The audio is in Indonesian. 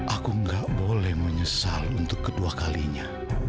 aku gak boleh menyesal kedua kalinya